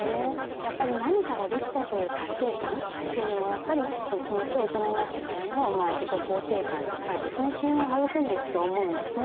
やっぱり何かができたという達成感というのはやっぱり後々大人になってからの自己肯定感とか自尊心を育んでいくと思うんですね。